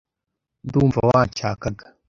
Ndumva wanshakaga.